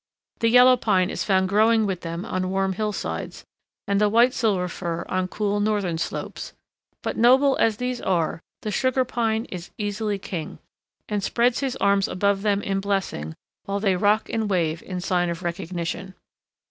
The Yellow Pine is found growing with them on warm hillsides, and the White Silver Fir on cool northern slopes; but, noble as these are, the Sugar Pine is easily king, and spreads his arms above them in blessing while they rock and wave in sign of recognition.